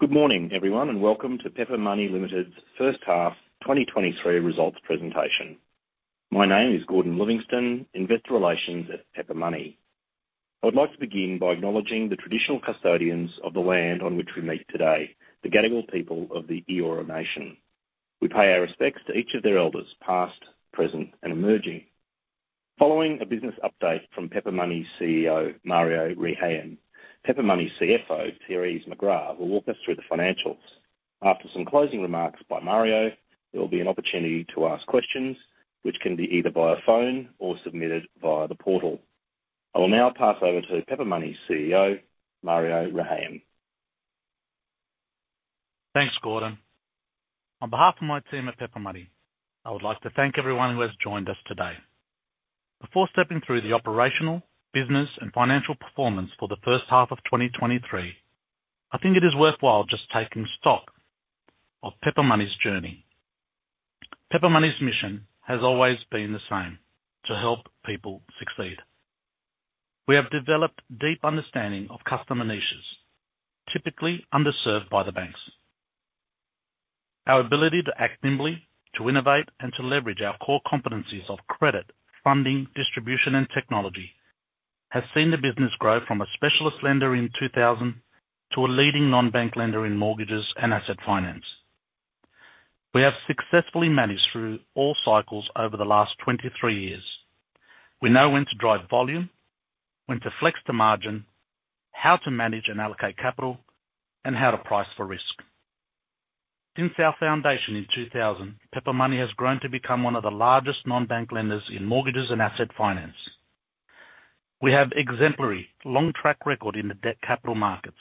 Good morning, everyone, and welcome to Pepper Money Limited's first half, 2023 results presentation. My name is Gordon Livingstone, Investor Relations at Pepper Money. I would like to begin by acknowledging the traditional custodians of the land on which we meet today, the Gadigal people of the Eora Nation. We pay our respects to each of their elders, past, present, and emerging. Following a business update from Pepper Money's CEO, Mario Rehayem, Pepper Money's CFO, Therese McGrath, will walk us through the financials. After some closing remarks by Mario, there will be an opportunity to ask questions, which can be either via phone or submitted via the portal. I will now pass over to Pepper Money's CEO, Mario Rehayem. Thanks, Gordon. On behalf of my team at Pepper Money, I would like to thank everyone who has joined us today. Before stepping through the operational, business, and financial performance for the first half of 2023, I think it is worthwhile just taking stock of Pepper Money's journey. Pepper Money's mission has always been the same: to help people succeed. We have developed deep understanding of customer niches, typically underserved by the banks. Our ability to act nimbly, to innovate, and to leverage our core competencies of credit, funding, distribution, and technology, has seen the business grow from a specialist lender in 2000, to a leading non-bank lender in mortgages and asset finance. We have successfully managed through all cycles over the last 23 years. We know when to drive volume, when to flex the margin, how to manage and allocate capital, and how to price for risk. Since our foundation in 2000, Pepper Money has grown to become one of the largest non-bank lenders in mortgages and asset finance. We have exemplary long track record in the debt capital markets.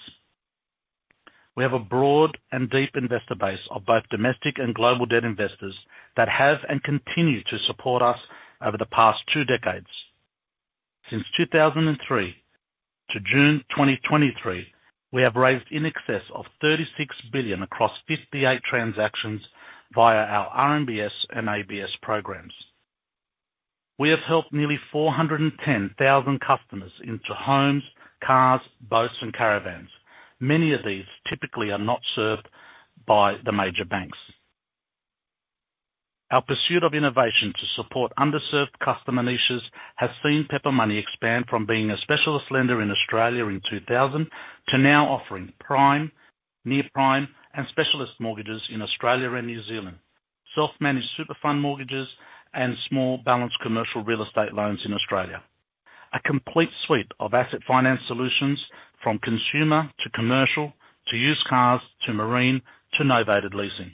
We have a broad and deep investor base of both domestic and global debt investors that have and continue to support us over the past two decades. Since 2003 to June 2023, we have raised in excess of 36 billion across 58 transactions via our RMBS and ABS programs. We have helped nearly 410,000 customers into homes, cars, boats, and caravans. Many of these typically are not served by the major banks. Our pursuit of innovation to support underserved customer niches has seen Pepper Money expand from being a specialist lender in Australia in 2000, to now offering prime, Near Prime, and specialist mortgages in Australia and New Zealand, self-managed super fund mortgages, and small balance commercial real estate loans in Australia. A complete suite of asset finance solutions, from consumer to commercial, to used cars, to marine, to novated leasing.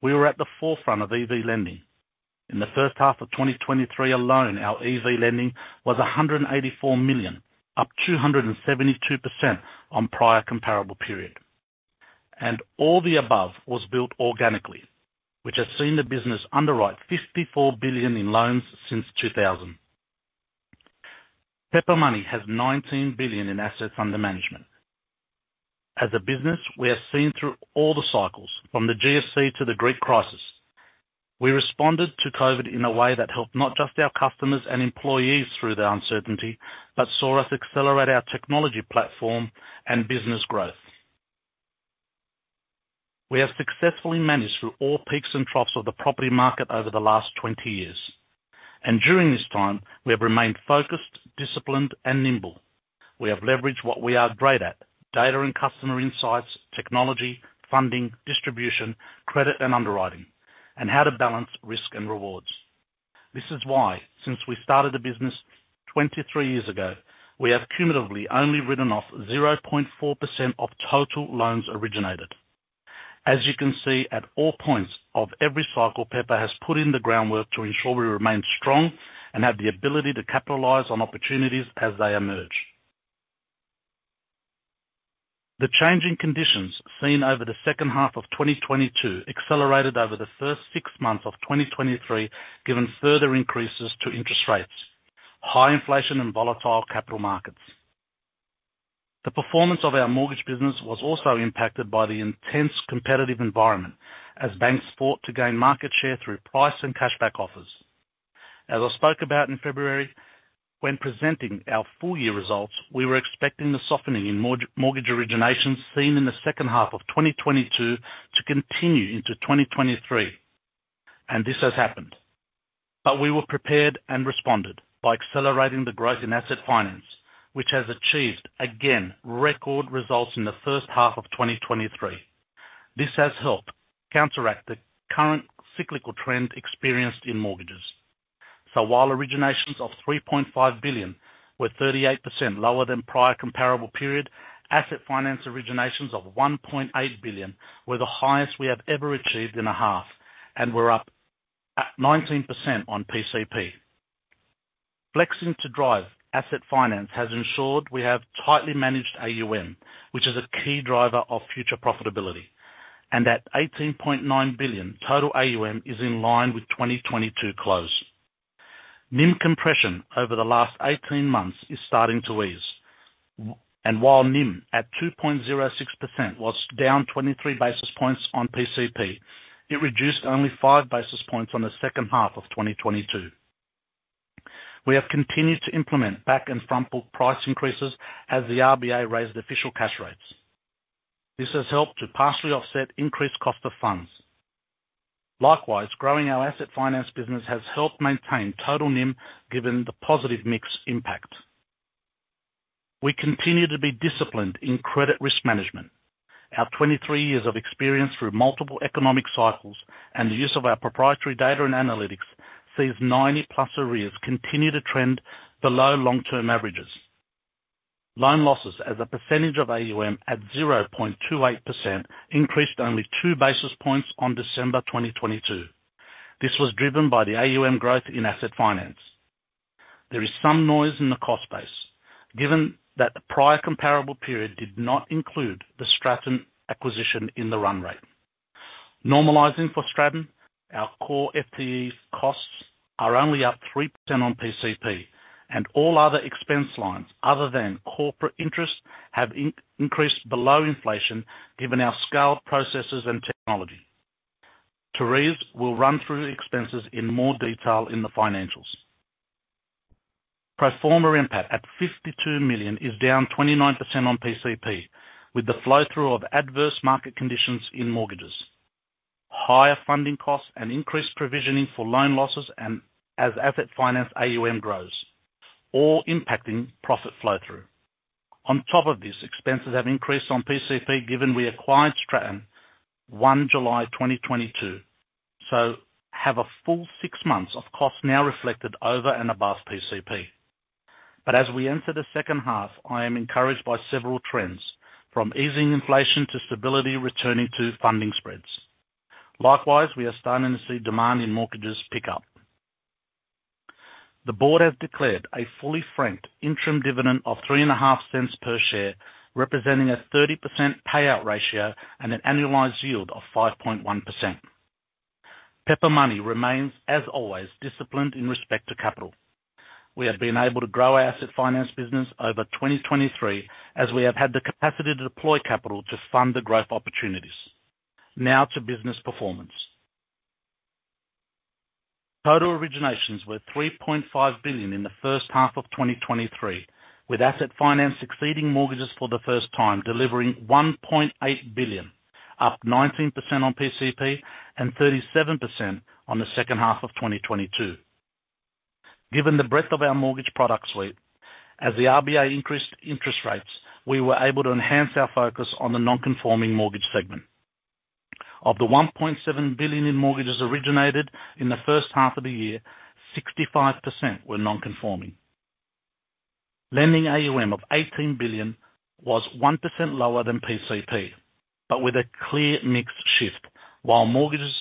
We were at the forefront of EV lending. In the first half of 2023 alone, our EV lending was 184 million, up 272% on prior comparable period. All the above was built organically, which has seen the business underwrite 54 billion in loans since 2000. Pepper Money has 19 billion in assets under management. As a business, we have seen through all the cycles, from the GFC to the Greek crisis. We responded to COVID in a way that helped not just our customers and employees through the uncertainty, but saw us accelerate our technology platform and business growth. We have successfully managed through all peaks and troughs of the property market over the last 20 years, and during this time, we have remained focused, disciplined, and nimble. We have leveraged what we are great at, data and customer insights, technology, funding, distribution, credit and underwriting, and how to balance risk and rewards. This is why, since we started the business 23 years ago, we have cumulatively only written off 0.4% of total loans originated. As you can see, at all points of every cycle, Pepper has put in the groundwork to ensure we remain strong and have the ability to capitalize on opportunities as they emerge. The changing conditions seen over the second half of 2022 accelerated over the first six months of 2023, given further increases to interest rates, high inflation, and volatile capital markets. The performance of our mortgage business was also impacted by the intense competitive environment as banks fought to gain market share through price and cashback offers. As I spoke about in February, when presenting our full year results, we were expecting the softening in mortgage originations seen in the second half of 2022 to continue into 2023. This has happened. We were prepared and responded by accelerating the growth in asset finance, which has achieved, again, record results in the first half of 2023. This has helped counteract the current cyclical trend experienced in mortgages. While originations of 3.5 billion were 38% lower than prior comparable period, asset finance originations of AUD 1.8 billion were the highest we have ever achieved in a half, and we're up at 19% on PCP. Flexing to drive asset finance has ensured we have tightly managed AUM, which is a key driver of future profitability, and at 18.9 billion, total AUM is in line with 2022 close. NIM compression over the last 18 months is starting to ease, and while NIM at 2.06% was down 23 basis points on PCP, it reduced only five basis points on the second half of 2022. We have continued to implement back-and-front book price increases as the RBA raised official cash rates. This has helped to partially offset increased cost of funds. Likewise, growing our asset finance business has helped maintain total NIM, given the positive mix impact. We continue to be disciplined in credit risk management. Our 23 years of experience through multiple economic cycles and the use of our proprietary data and analytics sees 90-plus arrears continue to trend below long-term averages. Loan losses as a percentage of AUM at 0.28% increased only 2 basis points on December 2022. This was driven by the AUM growth in asset finance. There is some noise in the cost base, given that the prior comparable period did not include the Stratton acquisition in the run rate. Normalizing for Stratton, our core FTE costs are only up 3% on PCP, all other expense lines, other than corporate interest, have increased below inflation, given our scaled processes and technology. Therese will run through the expenses in more detail in the financials. Pro forma impact at 52 million is down 29% on PCP, with the flow-through of adverse market conditions in mortgages, higher funding costs, and increased provisioning for loan losses, as asset finance AUM grows, all impacting profit flow-through. On top of this, expenses have increased on PCP, given we acquired Stratton July 1, 2022, so have a full six months of costs now reflected over and above PCP. As we enter the second half, I am encouraged by several trends, from easing inflation to stability, returning to funding spreads. Likewise, we are starting to see demand in mortgages pick up. The board has declared a fully franked interim dividend of 0.035 per share, representing a 30% payout ratio and an annualized yield of 5.1%. Pepper Money remains, as always, disciplined in respect to capital. We have been able to grow our asset finance business over 2023, as we have had the capacity to deploy capital to fund the growth opportunities. Now to business performance. Total originations were AUD 3.5 billion in the first half of 2023, with asset finance exceeding mortgages for the first time, delivering 1.8 billion, up 19% on PCP and 37% on the second half of 2022. Given the breadth of our mortgage product suite, as the RBA increased interest rates, we were able to enhance our focus on the non-conforming mortgage segment. Of the 1.7 billion in mortgages originated in the first half of the year, 65% were non-conforming. Lending AUM of 18 billion was 1% lower than PCP, but with a clear mix shift. While mortgages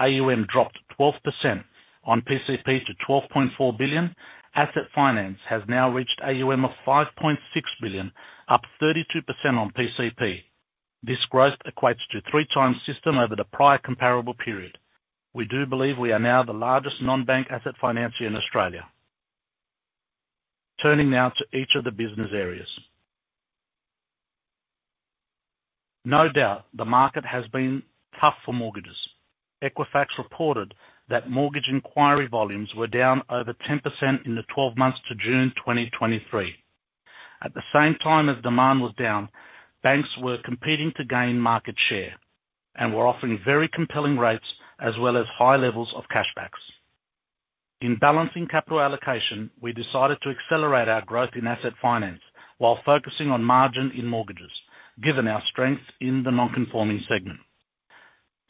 AUM dropped 12% on PCP to 12.4 billion, asset finance has now reached AUM of 5.6 billion, up 32% on PCP. This growth equates to 3 times system over the prior comparable period. We do believe we are now the largest non-bank asset financier in Australia. Turning now to each of the business areas. No doubt, the market has been tough for mortgages. Equifax reported that mortgage inquiry volumes were down over 10% in the 12 months to June 2023. At the same time as demand was down, banks were competing to gain market share and were offering very compelling rates as well as high levels of cashbacks. In balancing capital allocation, we decided to accelerate our growth in asset finance while focusing on margin in mortgages, given our strengths in the non-conforming segment.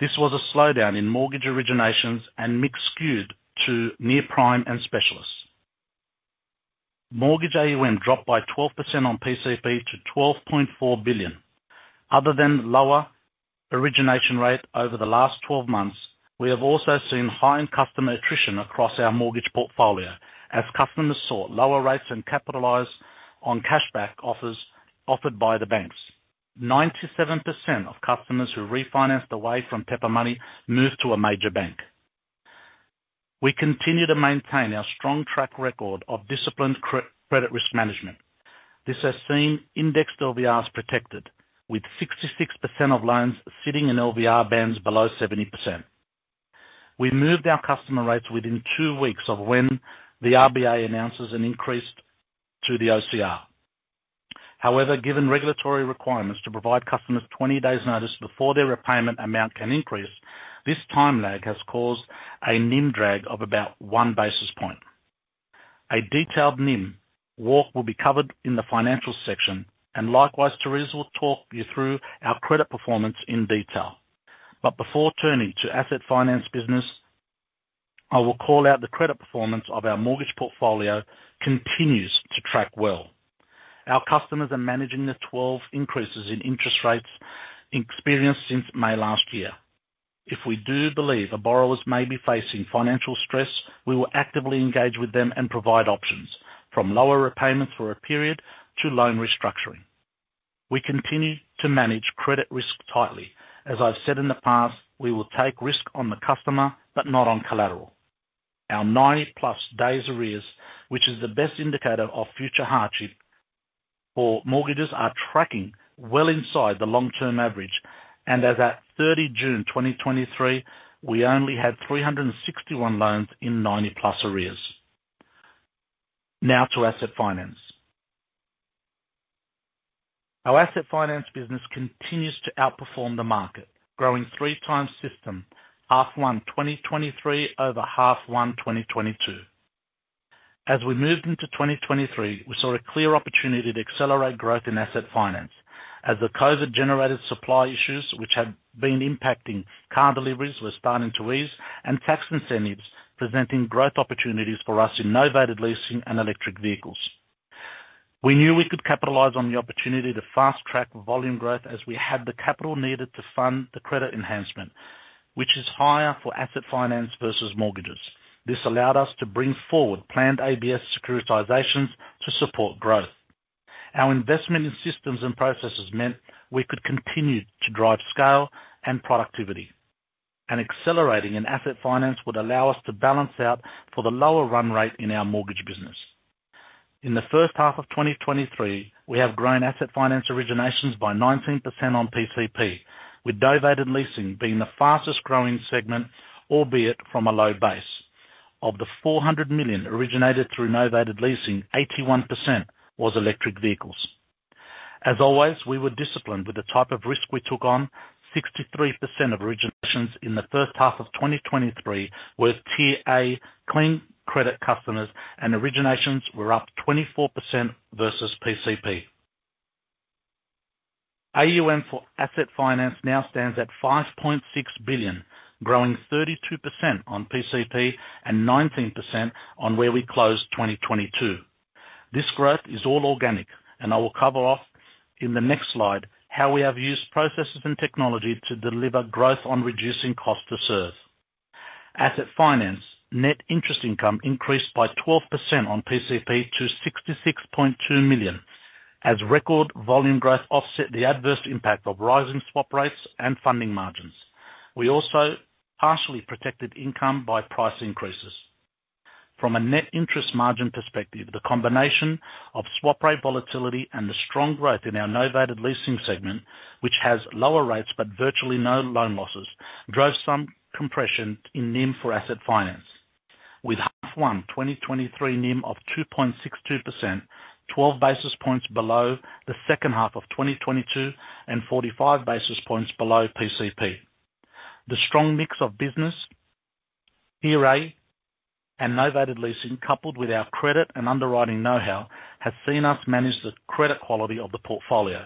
This was a slowdown in mortgage originations and mix skewed to near-prime and specialists. Mortgage AUM dropped by 12% on PCP to 12.4 billion. Other than lower origination rate over the last 12 months, we have also seen high in customer attrition across our mortgage portfolio as customers sought lower rates and capitalized on cashback offers offered by the banks. 97% of customers who refinanced away from Pepper Money moved to a major bank. We continue to maintain our strong track record of disciplined credit risk management. This has seen indexed LVRs protected, with 66% of loans sitting in LVR bands below 70%. We moved our customer rates within 2 weeks of when the RBA announces an increase to the OCR. However, given regulatory requirements to provide customers 20 days notice before their repayment amount can increase, this time lag has caused a NIM drag of about 1 basis point. A detailed NIM walk will be covered in the financial section, likewise, Therese will talk you through our credit performance in detail. Before turning to asset finance business, I will call out the credit performance of our mortgage portfolio continues to track well. Our customers are managing the 12 increases in interest rates experienced since May last year. If we do believe the borrowers may be facing financial stress, we will actively engage with them and provide options, from lower repayments for a period to loan restructuring. We continue to manage credit risk tightly. As I've said in the past, we will take risk on the customer, but not on collateral. Our 90-plus days arrears, which is the best indicator of future hardship for mortgages are tracking well inside the long-term average, and as at June 30, 2023, we only had 361 loans in 90-plus arrears. Now to asset finance. Our asset finance business continues to outperform the market, growing 3x system, half one 2023 over half one 2022. As we moved into 2023, we saw a clear opportunity to accelerate growth in asset finance. As the COVID-generated supply issues, which had been impacting car deliveries, were starting to ease and tax incentives presenting growth opportunities for us in novated leasing and electric vehicles. We knew we could capitalize on the opportunity to fast-track volume growth as we had the capital needed to fund the credit enhancement, which is higher for asset finance versus mortgages. This allowed us to bring forward planned ABS securitizations to support growth. Our investment in systems and processes meant we could continue to drive scale and productivity. Accelerating in asset finance would allow us to balance out for the lower run rate in our mortgage business. In the first half of 2023, we have grown asset finance originations by 19% on PCP, with novated leasing being the fastest growing segment, albeit from a low base. Of the 400 million originated through novated leasing, 81% was electric vehicles. As always, we were disciplined with the type of risk we took on. 63% of originations in the first half of 2023 was Tier A clean credit customers, originations were up 24% versus PCP. AUM for asset finance now stands at 5.6 billion, growing 32% on PCP and 19% on where we closed 2022. This growth is all organic, and I will cover off in the next slide how we have used processes and technology to deliver growth on reducing cost to serve. Asset finance net interest income increased by 12% on PCP to 66.2 million. As record volume growth offset the adverse impact of rising swap rates and funding margins. We also partially protected income by price increases. From a net interest margin perspective, the combination of swap rate volatility and the strong growth in our novated leasing segment, which has lower rates but virtually no loan losses, drove some compression in NIM for asset finance, with H1 2023 NIM of 2.62%, 12 basis points below the 2H 2022 and 45 basis points below PCP. The strong mix of business, Tier A, and novated leasing, coupled with our credit and underwriting know-how, has seen us manage the credit quality of the portfolio.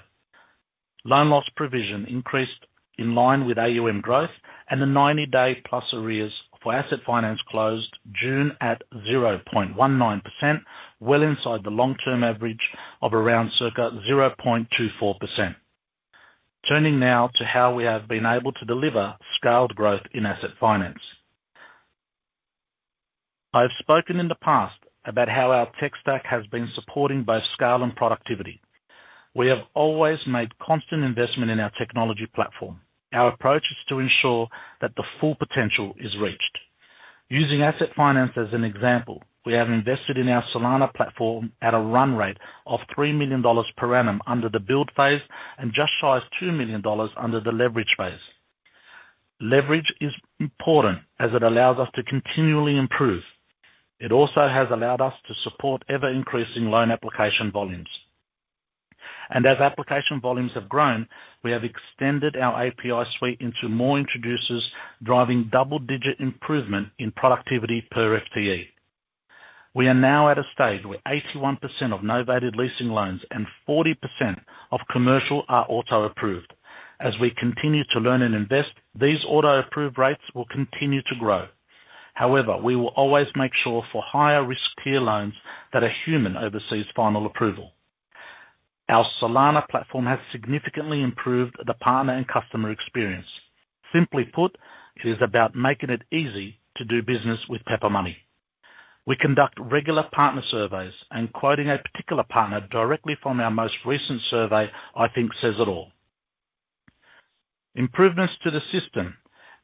Loan loss provision increased in line with AUM growth, and the 90-day plus arrears for asset finance closed June at 0.19%, well inside the long-term average of around circa 0.24%. Turning now to how we have been able to deliver scaled growth in asset finance. I have spoken in the past about how our tech stack has been supporting both scale and productivity. We have always made constant investment in our technology platform. Our approach is to ensure that the full potential is reached. Using asset finance as an example, we have invested in our Solana platform at a run rate of 3 million dollars per annum under the build phase and just shy as 2 million dollars under the leverage phase. Leverage is important as it allows us to continually improve. It also has allowed us to support ever-increasing loan application volumes. As application volumes have grown, we have extended our API suite into more introducers, driving double-digit improvement in productivity per FTE. We are now at a stage where 81% of novated leasing loans and 40% of commercial are auto-approved. As we continue to learn and invest, these auto-approved rates will continue to grow. However, we will always make sure for higher risk tier loans that a human oversees final approval. Our Solana platform has significantly improved the partner and customer experience. Simply put, it is about making it easy to do business with Pepper Money. We conduct regular partner surveys and quoting a particular partner directly from our most recent survey, I think says it all. Improvements to the system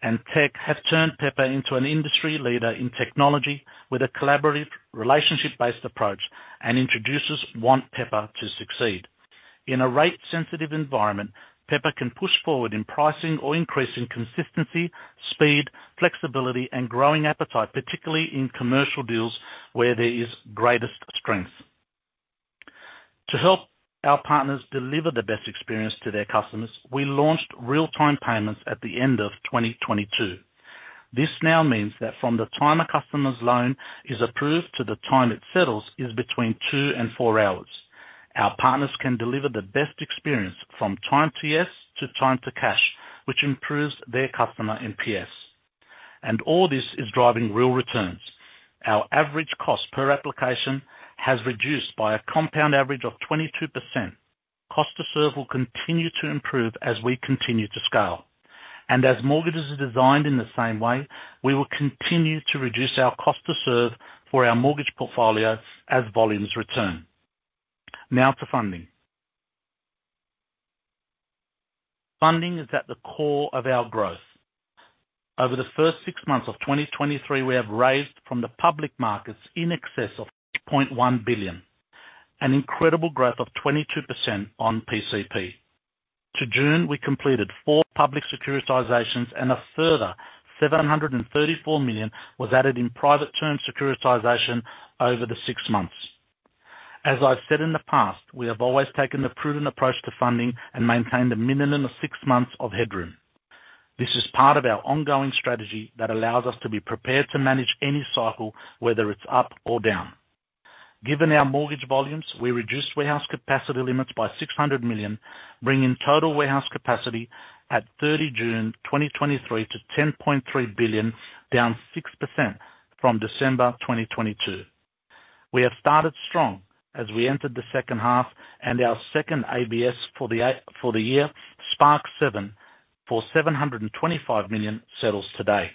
and tech have turned Pepper into an industry leader in technology with a collaborative, relationship-based approach. Introducers want Pepper to succeed. In a rate-sensitive environment, Pepper can push forward in pricing or increase in consistency, speed, flexibility, and growing appetite, particularly in commercial deals where there is greatest strength. To help our partners deliver the best experience to their customers, we launched real-time payments at the end of 2022. This now means that from the time a customer's loan is approved to the time it settles, is between two and four hours. Our partners can deliver the best experience from time to yes to time to cash, which improves their customer NPS. All this is driving real returns. Our average cost per application has reduced by a compound average of 22%. Cost to serve will continue to improve as we continue to scale. As mortgages are designed in the same way, we will continue to reduce our cost to serve for our mortgage portfolio as volumes return. Now to funding. Funding is at the core of our growth. Over the first six months of 2023, we have raised from the public markets in excess of 3.1 billion, an incredible growth of 22% on PCP. To June, we completed four public securitizations, and a further 734 million was added in private term securitization over the six months. As I've said in the past, we have always taken the prudent approach to funding and maintained a minimum of 6 months of headroom. This is part of our ongoing strategy that allows us to be prepared to manage any cycle, whether it's up or down. Given our mortgage volumes, we reduced warehouse capacity limits by 600 million, bringing total warehouse capacity at 30 June 2023 to 10.3 billion, down 6% from December 2022. We have started strong as we entered the second half. Our second ABS for the year, SPARKZ 7, for 725 million, settles today.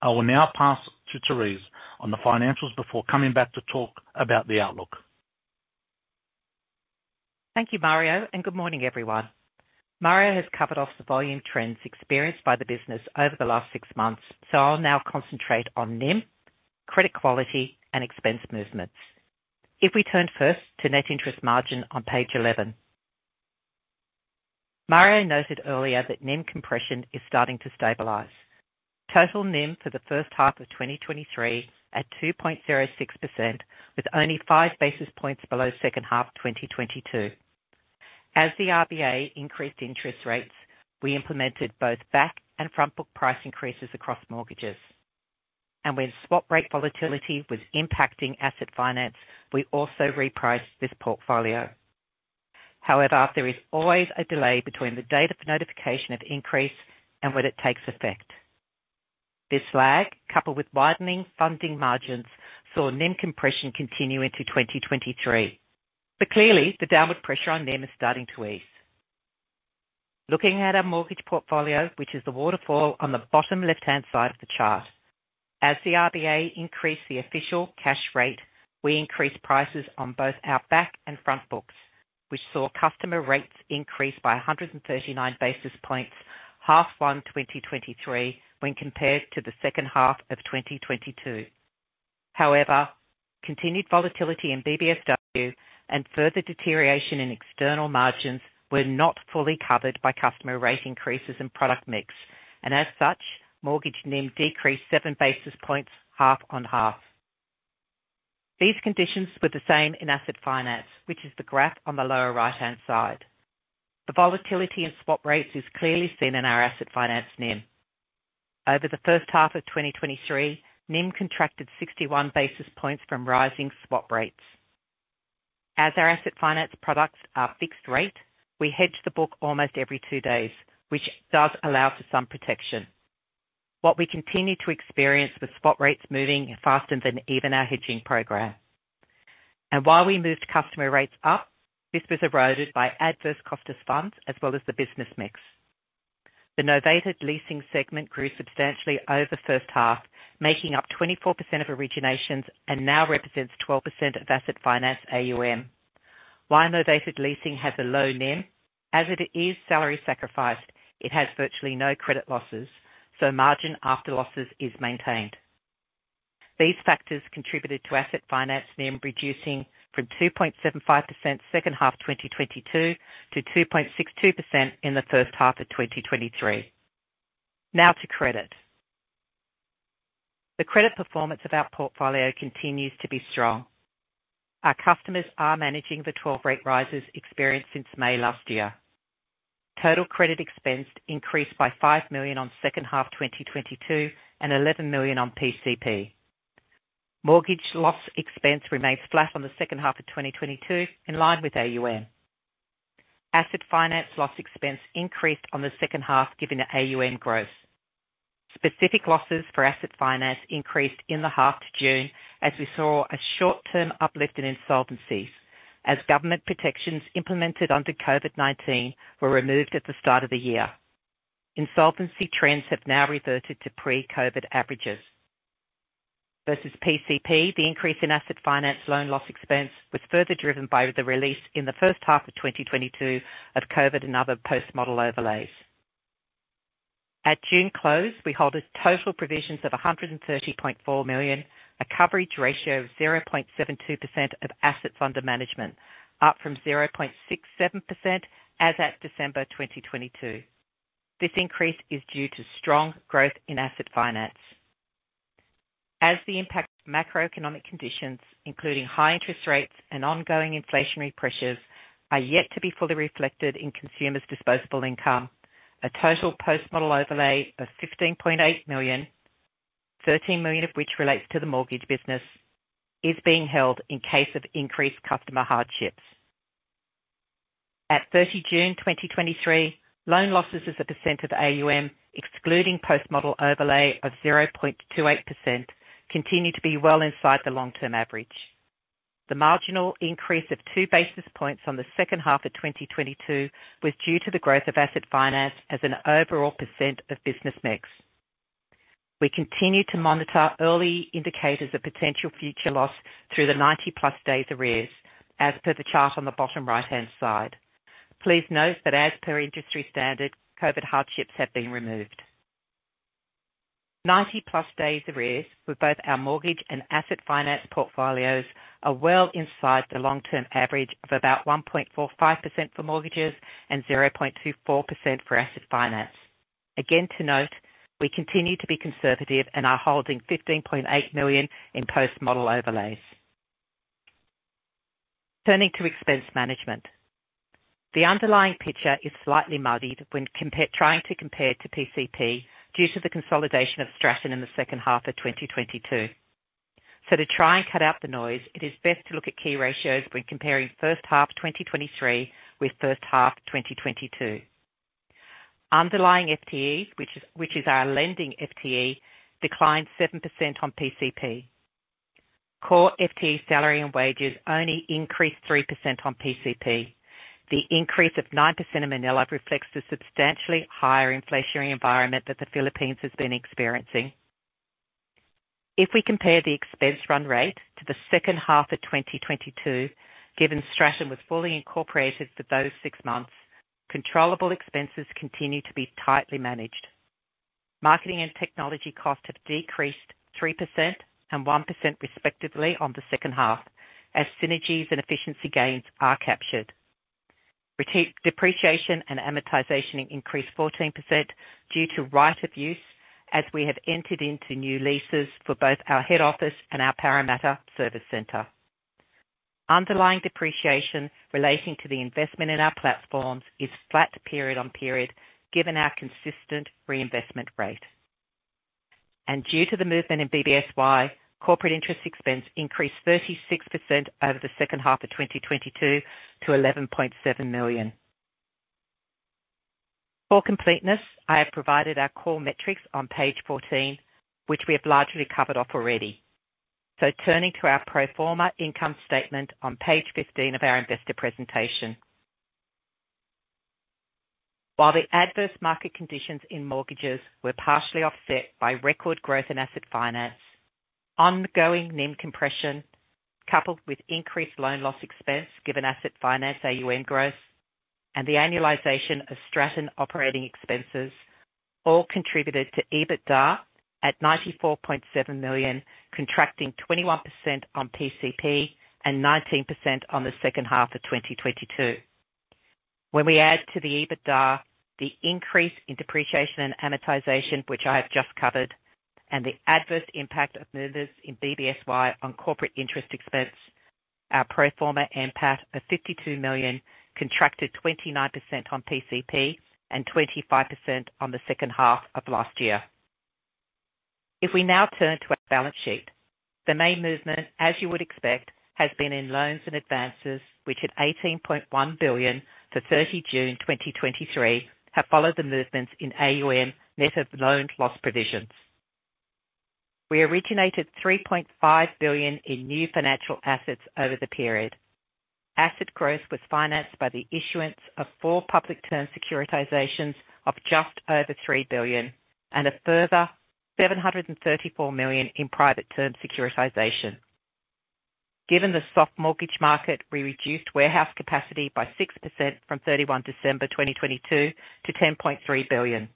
I will now pass to Therese on the financials before coming back to talk about the outlook. Thank you, Mario. Good morning, everyone. Mario has covered off the volume trends experienced by the business over the last six months. I'll now concentrate on NIM, credit quality, and expense movements. If we turn first to net interest margin on page 11. Mario noted earlier that NIM compression is starting to stabilize. Total NIM for the first half of 2023 at 2.06%, with only 5 basis points below second half 2022. As the RBA increased interest rates, we implemented both back and front book price increases across mortgages. When swap rate volatility was impacting asset finance, we also repriced this portfolio. However, there is always a delay between the date of notification of increase and when it takes effect. This lag, coupled with widening funding margins, saw NIM compression continue into 2023. Clearly, the downward pressure on NIM is starting to ease. Looking at our mortgage portfolio, which is the waterfall on the bottom left-hand side of the chart, as the RBA increased the official cash rate, we increased prices on both our back and front books, which saw customer rates increase by 139 basis points, H1 2023, when compared to H2 2022. However, continued volatility in BBSW and further deterioration in external margins were not fully covered by customer rate increases and product mix, and as such, mortgage NIM decreased seven basis points, half on half. These conditions were the same in asset finance, which is the graph on the lower right-hand side. The volatility in swap rates is clearly seen in our asset finance NIM. Over the first half of 2023, NIM contracted 61 basis points from rising swap rates. As our asset finance products are fixed rate, we hedge the book almost every two days, which does allow for some protection. What we continue to experience with swap rates moving faster than even our hedging program. While we moved customer rates up, this was eroded by adverse cost of funds as well as the business mix. The novated leasing segment grew substantially over the first half, making up 24% of originations and now represents 12% of asset finance AUM. While novated leasing has a low NIM, as it is salary sacrificed, it has virtually no credit losses, so margin after losses is maintained. These factors contributed to asset finance NIM reducing from 2.75% second half 2022 to 2.62% in the first half of 2023. Now to credit. The credit performance of our portfolio continues to be strong. Our customers are managing the 12 rate rises experienced since May last year. Total credit expense increased by 5 million on second half 2022, and 11 million on PCP. Mortgage loss expense remained flat on the second half of 2022, in line with AUM. Asset finance loss expense increased on the second half, given the AUM growth. Specific losses for asset finance increased in the half to June as we saw a short-term uplift in insolvencies, as government protections implemented under COVID-19 were removed at the start of the year. Insolvency trends have now reverted to pre-COVID averages. Versus PCP, the increase in asset finance loan loss expense was further driven by the release in the first half of 2022 of COVID and other post-model overlays. At June close, we hold as total provisions of 130.4 million, a coverage ratio of 0.72% of asset fund management, up from 0.67% as at December 2022. This increase is due to strong growth in asset finance. As the impact of macroeconomic conditions, including high interest rates and ongoing inflationary pressures, are yet to be fully reflected in consumers' disposable income, a total post-model overlay of 15.8 million, 13 million of which relates to the mortgage business, is being held in case of increased customer hardships. At 30 June 2023, loan losses as a percent of AUM, excluding post-model overlay of 0.28%, continue to be well inside the long-term average. The marginal increase of two basis points on the second half of 2022 was due to the growth of asset finance as an overall % of business mix. We continue to monitor early indicators of potential future loss through the 90-plus days arrears, as per the chart on the bottom right-hand side. Please note that as per industry standard, COVID hardships have been removed. 90-plus days arrears for both our mortgage and asset finance portfolios are well inside the long-term average of about 1.45% for mortgages and 0.24% for asset finance. Again, to note, we continue to be conservative and are holding 15.8 million in post-model overlays. Turning to expense management. The underlying picture is slightly muddied when trying to compare to PCP due to the consolidation of Stratton in the second half of 2022. To try and cut out the noise, it is best to look at key ratios when comparing first half 2023 with first half 2022. Underlying FTE, which is, which is our lending FTE, declined 7% on PCP. Core FTE salary and wages only increased 3% on PCP. The increase of 9% in Manila reflects the substantially higher inflationary environment that the Philippines has been experiencing. If we compare the expense run rate to the second half of 2022, given Stratton was fully incorporated for those six months, controllable expenses continue to be tightly managed. Marketing and technology costs have decreased 3% and 1% respectively on the second half, as synergies and efficiency gains are captured. Reported depreciation and amortization increased 14% due to right of use, as we have entered into new leases for both our head office and our Parramatta Service Center. Underlying depreciation relating to the investment in our platforms is flat period on period, given our consistent reinvestment rate. Due to the movement in BBSY, corporate interest expense increased 36% over the second half of 2022 to 11.7 million. For completeness, I have provided our core metrics on page 14, which we have largely covered off already. Turning to our pro forma income statement on page 15 of our investor presentation. While the adverse market conditions in mortgages were partially offset by record growth in asset finance, ongoing NIM compression, coupled with increased loan loss expense, given asset finance AUM growth and the annualization of Stratton operating expenses, all contributed to EBITDA at 94.7 million, contracting 21% on PCP and 19% on the second half of 2022. When we add to the EBITDA, the increase in depreciation and amortization, which I have just covered, and the adverse impact of movements in BBSY on corporate interest expense, our pro forma NPAT of 52 million contracted 29% on PCP and 25% on the second half of last year. If we now turn to our balance sheet, the main movement, as you would expect, has been in loans and advances, which at 18.1 billion for 30 June 2023, have followed the movements in AUM, net of loan loss provisions. We originated 3.5 billion in new financial assets over the period. Asset growth was financed by the issuance of four public term securitizations of just over 3 billion and a further 734 million in private term securitization. Given the soft mortgage market, we reduced warehouse capacity by 6% from 31 December 2022 to 10.3 billion.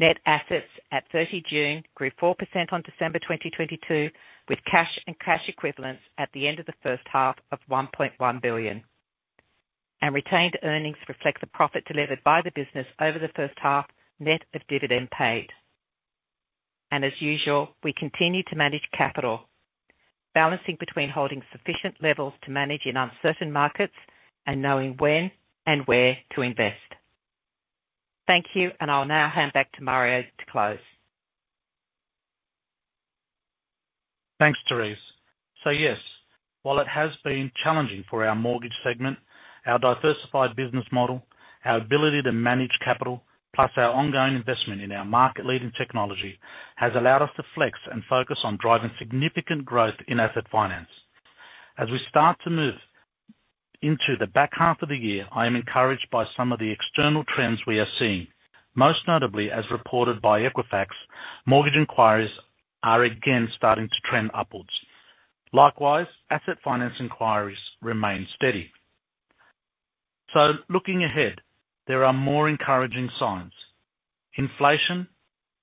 Net assets at 30 June grew 4% on December 2022, with cash and cash equivalents at the end of the first half of 1.1 billion. Retained earnings reflect the profit delivered by the business over the first half, net of dividend paid. As usual, we continue to manage capital, balancing between holding sufficient levels to manage in uncertain markets and knowing when and where to invest. Thank you, and I'll now hand back to Mario to close. Thanks, Therese. Yes, while it has been challenging for our mortgage segment, our diversified business model, our ability to manage capital, plus our ongoing investment in our market-leading technology, has allowed us to flex and focus on driving significant growth in asset finance. As we start to move into the back half of the year, I am encouraged by some of the external trends we are seeing. Most notably, as reported by Equifax, mortgage inquiries are again starting to trend upwards. Likewise, asset finance inquiries remain steady. Looking ahead, there are more encouraging signs. Inflation,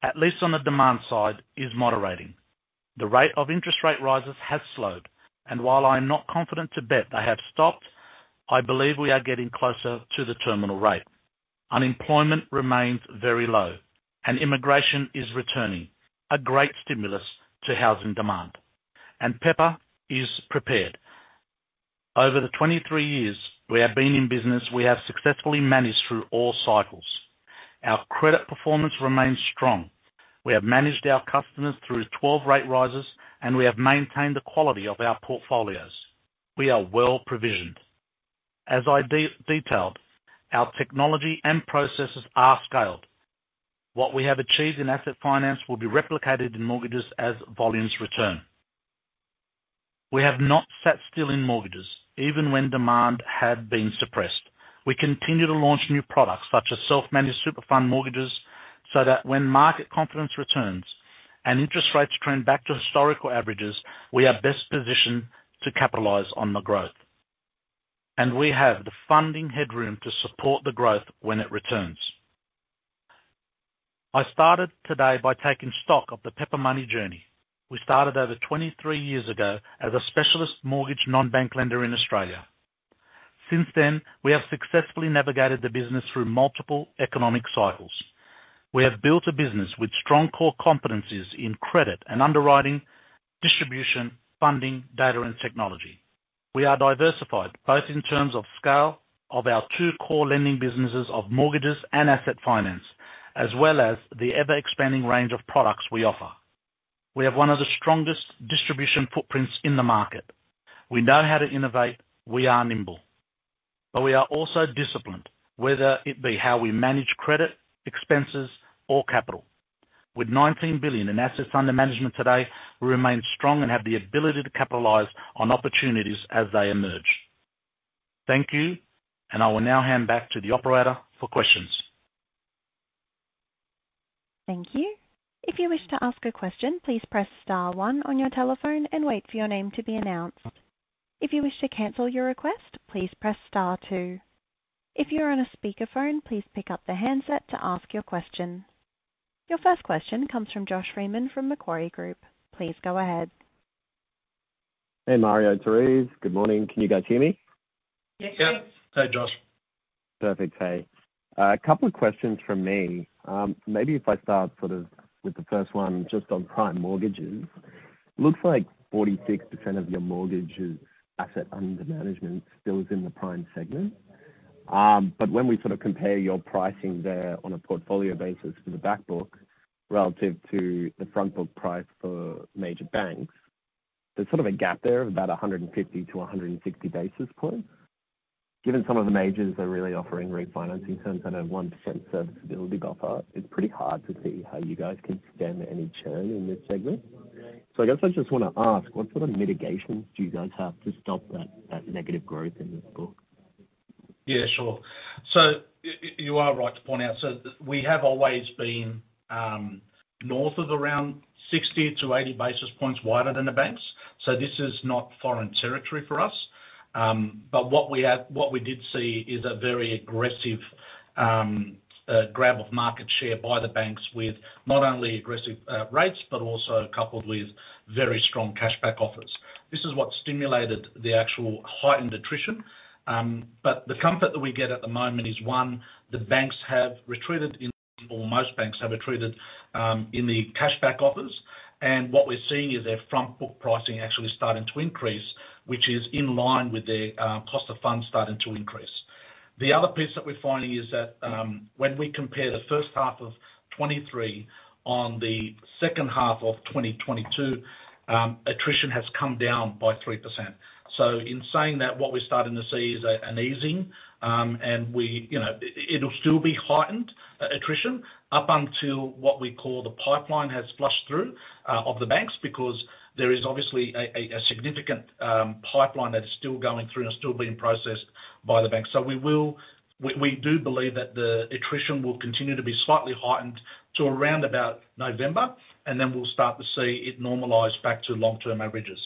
at least on the demand side, is moderating. The rate of interest rate rises has slowed, and while I'm not confident to bet they have stopped, I believe we are getting closer to the terminal rate. Unemployment remains very low and immigration is returning, a great stimulus to housing demand. Pepper Money is prepared. Over the 23 years we have been in business, we have successfully managed through all cycles. Our credit performance remains strong. We have managed our customers through 12 rate rises, and we have maintained the quality of our portfolios. We are well provisioned. As I de-detailed, our technology and processes are scaled. What we have achieved in asset finance will be replicated in mortgages as volumes return.... We have not sat still in mortgages, even when demand had been suppressed. We continue to launch new products, such as self-managed super fund mortgages, so that when market confidence returns and interest rates trend back to historical averages, we are best positioned to capitalize on the growth. We have the funding headroom to support the growth when it returns. I started today by taking stock of the Pepper Money journey. We started over 23 years ago as a specialist mortgage non-bank lender in Australia. Since then, we have successfully navigated the business through multiple economic cycles. We have built a business with strong core competencies in credit and underwriting, distribution, funding, data, and technology. We are diversified, both in terms of scale of our two core lending businesses of mortgages and asset finance, as well as the ever-expanding range of products we offer. We have one of the strongest distribution footprints in the market. We know how to innovate. We are nimble, but we are also disciplined, whether it be how we manage credit, expenses, or capital. With AUD 19 billion in assets under management today, we remain strong and have the ability to capitalize on opportunities as they emerge. Thank you, and I will now hand back to the operator for questions. Thank you. If you wish to ask a question, please press star one on your telephone and wait for your name to be announced. If you wish to cancel your request, please press star two. If you're on a speakerphone, please pick up the handset to ask your question. Your first question comes from Josh Freeman from Macquarie Group. Please go ahead. Hey, Mario, Therese. Good morning. Can you guys hear me? Yes. Yeah. Hey, Josh. Perfect, hey. A couple of questions from me. Maybe if I start sort of with the first one, just on prime mortgages. Looks like 46% of your mortgages asset under management still is in the prime segment. When we sort of compare your pricing there on a portfolio basis for the back book, relative to the front book price for major banks, there's sort of a gap there of about 150-160 basis points. Given some of the majors are really offering refinancing terms at a 1% serviceability buffer, it's pretty hard to see how you guys can stem any churn in this segment. I guess I just want to ask: What sort of mitigations do you guys have to stop that, that negative growth in this book? Yeah, sure. You are right to point out. We have always been north of around 60 to 80 basis points wider than the banks, so this is not foreign territory for us. What we did see is a very aggressive grab of market share by the banks, with not only aggressive rates, but also coupled with very strong cashback offers. This is what stimulated the actual heightened attrition. The comfort that we get at the moment is, one, the banks have retreated in... or most banks have retreated in the cashback offers, and what we're seeing is their front book pricing actually starting to increase, which is in line with their cost of funds starting to increase. The other piece that we're finding is that, when we compare the first half of 2023 on the second half of 2022, attrition has come down by 3%. In saying that, what we're starting to see is an easing, and we, you know, it, it'll still be heightened, attrition, up until what we call the pipeline has flushed through of the banks, because there is obviously a significant pipeline that is still going through and still being processed by the banks. We do believe that the attrition will continue to be slightly heightened to around about November, and then we'll start to see it normalize back to long-term averages.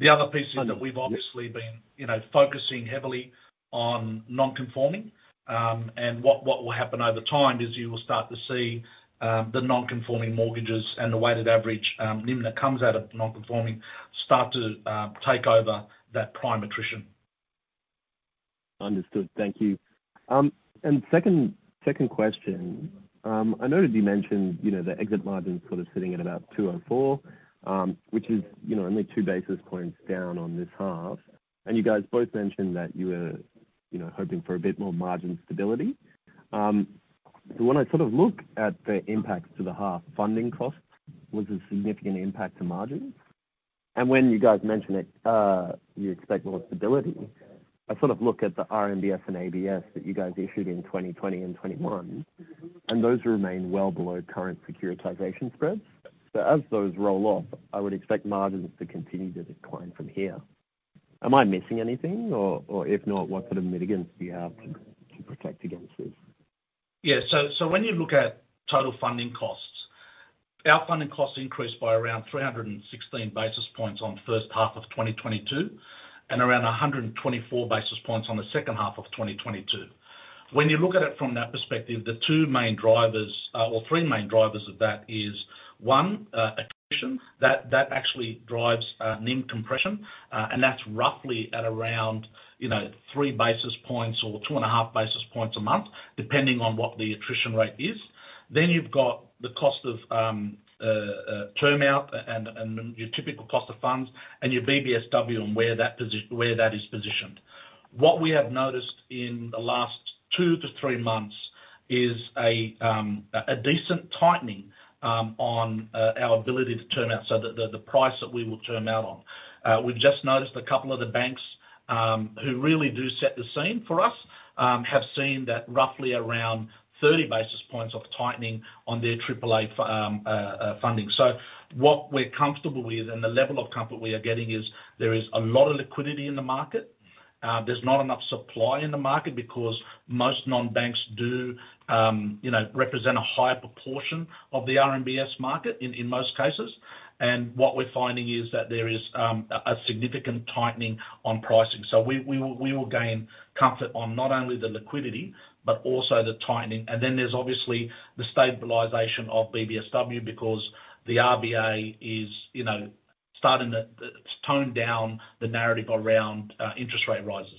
The other piece is. Under- - that we've obviously been, you know, focusing heavily on non-conforming. What, what will happen over time is you will start to see the non-conforming mortgages and the weighted average NIM that comes out of the non-conforming start to take over that prime attrition. Understood. Thank you. Second, second question. I noticed you mentioned, you know, the exit margin sort of sitting at about two and four, which is, you know, only two basis points down on this half, and you guys both mentioned that you were, you know, hoping for a bit more margin stability. When I sort of look at the impacts to the half funding costs, was a significant impact to margins? When you guys mentioned that you expect more stability, I sort of look at the RMBS and ABS that you guys issued in 2020 and 2021, and those remain well below current securitization spreads. As those roll off, I would expect margins to continue to decline from here. Am I missing anything? If not, what sort of mitigants do you have to, to protect against this? Yeah, when you look at total funding costs, our funding costs increased by around 316 basis points on the first half of 2022, and around 124 basis points on the second half of 2022. When you look at it from that perspective, the two main drivers, or three main drivers of that is, one, attrition. That, that actually drives NIM compression, and that's roughly at around, you know, three basis points or 2.5 basis points a month, depending on what the attrition rate is. You've got the cost of term out and, and your typical cost of funds and your BBSW and where that where that is positioned. What we have noticed in the last two-three months is a decent tightening on our ability to term out, so the, the, the price that we will term out on. We've just noticed a couple of the banks who really do set the scene for us have seen that roughly around 30 basis points of tightening on their AAA funding. What we're comfortable with, and the level of comfort we are getting is there is a lot of liquidity in the market. There's not enough supply in the market because most non-banks do, you know, represent a higher proportion of the RMBS market in, in most cases. What we're finding is that there is a significant tightening on pricing. We will, we will gain comfort on not only the liquidity, but also the tightening. Then there's obviously the stabilization of BBSW because the RBA is, you know, starting to tone down the narrative around interest rate rises.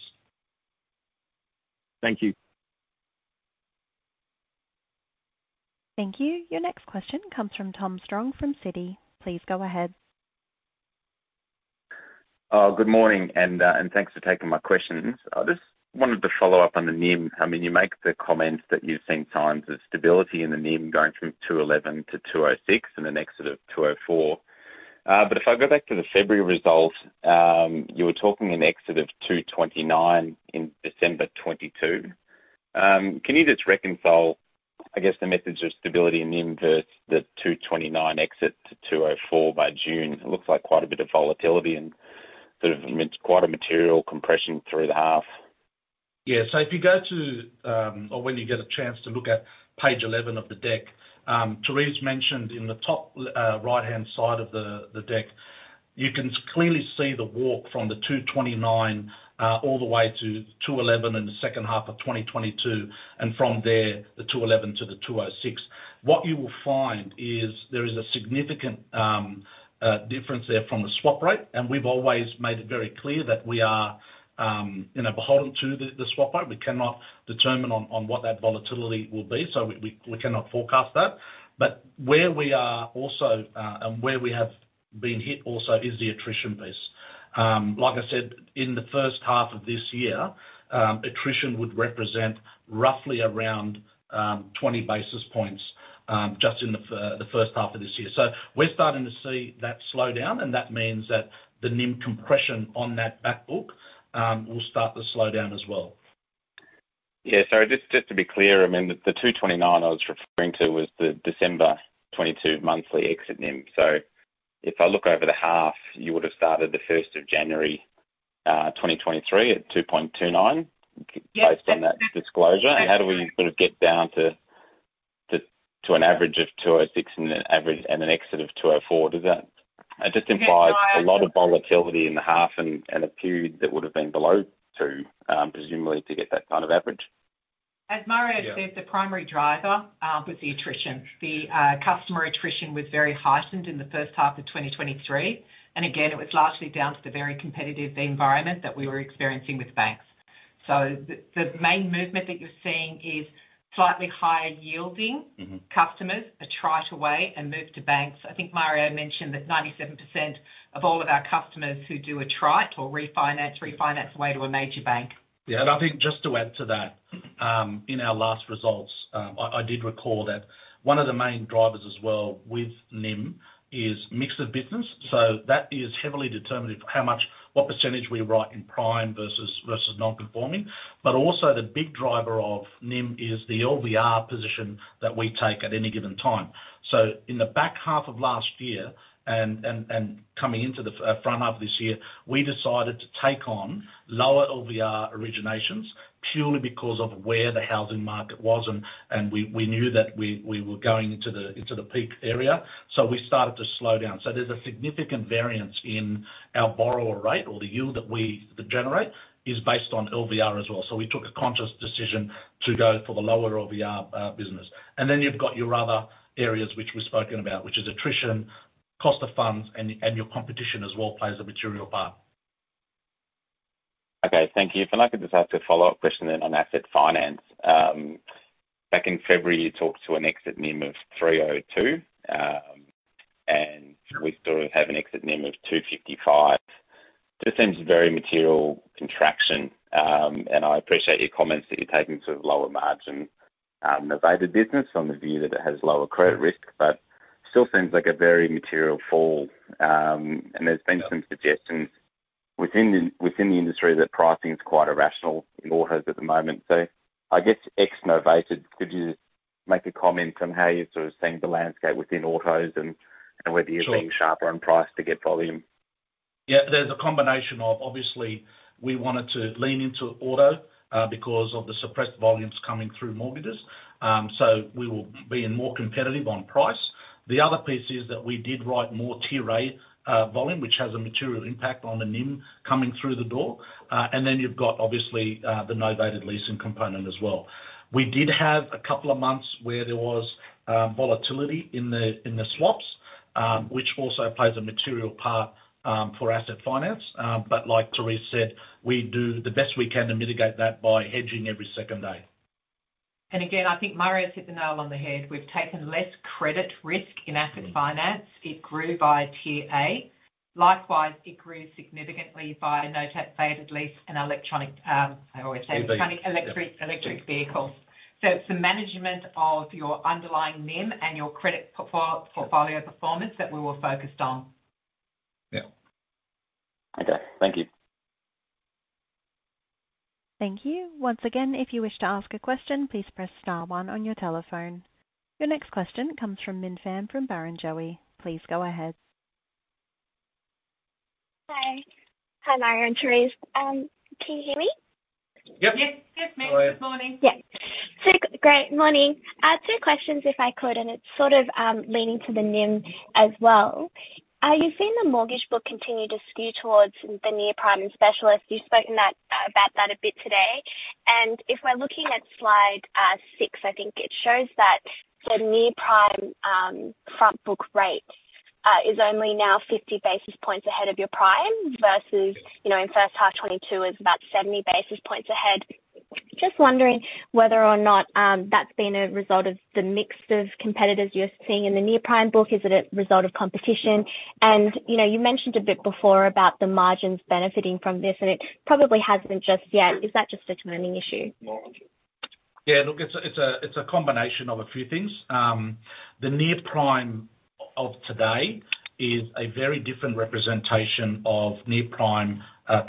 Thank you. Thank you. Your next question comes from Thomas Strong, from Citi. Please go ahead. Good morning, and thanks for taking my questions. I just wanted to follow up on the NIM. I mean, you make the comments that you've seen signs of stability in the NIM going from 2.11% to 2.06% and an exit of 2.04%. If I go back to the February results, you were talking an exit of 2.29% in December 2022. Can you just reconcile, I guess, the message of stability in the inverse, the 2.29% exit to 2.04% by June? It looks like quite a bit of volatility and sort of it's quite a material compression through the half. Yeah. If you go to, or when you get a chance to look at page 11 of the deck, Therese mentioned in the top right-hand side of the deck, you can clearly see the walk from the 229 all the way to 211 in the second half of 2022, and from there, the 211 to the 206. What you will find is there is a significant difference there from the swap rate, and we've always made it very clear that we are, you know, beholden to the swap rate. We cannot determine on what that volatility will be, so we cannot forecast that. Where we are also, and where we have been hit also is the attrition piece. Like I said, in the first half of this year, attrition would represent roughly around 20 basis points, just in the first half of this year. We're starting to see that slow down, and that means that the NIM compression on that back book, will start to slow down as well. Yeah. Just, just to be clear, I mean, the, the 2.29 I was referring to was the December 2022 monthly exit NIM. If I look over the half, you would have started the first of January 2023 at 2.29- Yes. - based on that disclosure. How do we sort of get down to an average of 206 and an average, and an exit of 204? Does that... It just implies- Yeah. a lot of volatility in the half and, and a period that would have been below two, presumably to get that kind of average. As Mario said. Yeah. The primary driver was the attrition. The customer attrition was very heightened in the first half of 2023. Again, it was largely down to the very competitive environment that we were experiencing with banks. The main movement that you're seeing is slightly higher yielding. Mm-hmm. customers attrite away and move to banks. I think Mario mentioned that 97% of all of our customers who do attrite or refinance, refinance away to a major bank. Yeah, I think just to add to that, in our last results, I, I did recall that one of the main drivers as well with NIM is mix of business. That is heavily determinative of how much, what percentage we write in prime versus, versus non-conforming. Also the big driver of NIM is the LVR position that we take at any given time. In the back half of last year and coming into the front half of this year, we decided to take on lower LVR originations purely because of where the housing market was, and we knew that we were going into the peak area, so we started to slow down. There's a significant variance in our borrower rate or the yield that we generate is based on LVR as well. We took a conscious decision to go for the lower LVR business. Then you've got your other areas, which we've spoken about, which is attrition, cost of funds, and, and your competition as well plays a material part. Okay, thank you. If I could just ask a follow-up question then on asset finance. Back in February, you talked to an exit NIM of 302, and we still have an exit NIM of 255. Just seems a very material contraction, and I appreciate your comments that you're taking sort of lower margin, novated business on the view that it has lower credit risk, but still seems like a very material fall. There's been- Yeah. - some suggestions within the, within the industry that pricing is quite irrational in autos at the moment. I guess, ex novated, could you make a comment on how you're sort of seeing the landscape within autos and, and whether you're- Sure being sharper on price to get volume? Yeah, there's a combination of obviously we wanted to lean into auto, because of the suppressed volumes coming through mortgagers. We will be in more competitive on price. The other piece is that we did write more Tier A volume, which has a material impact on the NIM coming through the door. And then you've got obviously, the novated leasing component as well. We did have a couple of months where there was volatility in the, in the swaps, which also plays a material part for asset finance. Like Therese said, we do the best we can to mitigate that by hedging every second day. Again, I think Mario hit the nail on the head. We've taken less credit risk in asset finance. Mm-hmm. It grew by Tier A. Likewise, it grew significantly by no tap, novated lease and electronic. Yeah... electric, electric vehicles. It's the management of your underlying NIM and your credit portfolio performance that we were focused on. Yeah. Okay, thank you. Thank you. Once again, if you wish to ask a question, please press star one on your telephone. Your next question comes from Minh Pham from Barrenjoey. Please go ahead. Hi. Hi, Mario and Therese. Can you hear me? Yep. Yes. Yes, Minh. Good morning. Yeah. Great morning. Two questions if I could, it's sort of leaning to the NIM as well. You've seen the mortgage book continue to skew towards the near prime specialist. You've spoken that about that a bit today. If we're looking at Slide 6, I think it shows that the near prime front book rate is only now 50 basis points ahead of your prime versus, you know, in first half 2022 is about 70 basis points ahead. Just wondering whether or not that's been a result of the mix of competitors you're seeing in the near prime book. Is it a result of competition? You know, you mentioned a bit before about the margins benefiting from this, and it probably hasn't just yet. Is that just a timing issue? Yeah, look, it's a, it's a, it's a combination of a few things. The near prime of today is a very different representation of near prime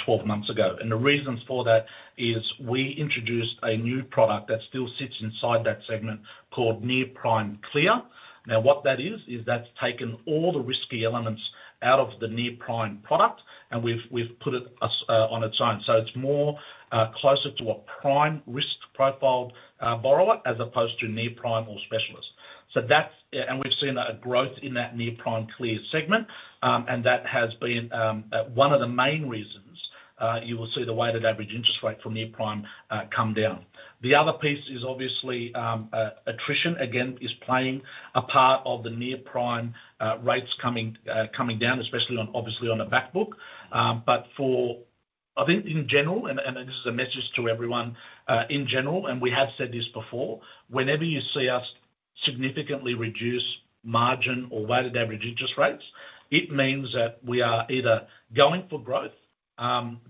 12 months ago, and the reasons for that is we introduced a new product that still sits inside that segment called Near Prime Clear. Now, what that is, is that's taken all the risky elements out of the near prime product, and we've, we've put it, so, on its own. So it's more closer to a prime risk profiled borrower, as opposed to near prime or specialist. So that's. We've seen a growth in that Near Prime Clear segment, and that has been one of the main reasons, you will see the weighted average interest rate for near prime come down. The other piece is obviously, attrition, again, is playing a part of the near prime, rates coming, coming down, especially on, obviously, on the back book. For, I think in general, and, and this is a message to everyone, in general, and we have said this before, whenever you see us significantly reduce margin or weighted average interest rates, it means that we are either going for growth,